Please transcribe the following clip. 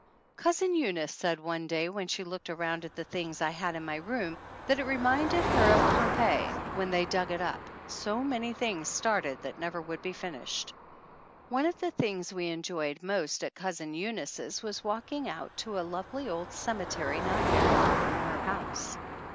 Cousin Eunice said one day when she looked around at the things I had 38 THE ANNALS OF ANN in my room that it reminded her of Pompeii when they dug it up so many things started that never would be finished. One of the things we enjoyed most at Cousin Eunice's was walking out to a lovely old ceme tery not very faT from her house.